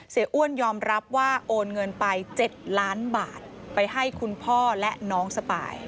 อ้วนยอมรับว่าโอนเงินไป๗ล้านบาทไปให้คุณพ่อและน้องสปาย